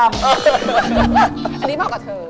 อันนี้เหมาะกับเธอ